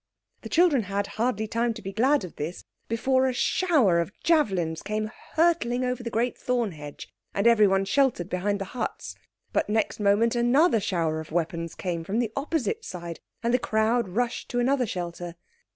The children had hardly time to be glad of this before a shower of javelins came hurtling over the great thorn hedge, and everyone sheltered behind the huts. But next moment another shower of weapons came from the opposite side, and the crowd rushed to other shelter.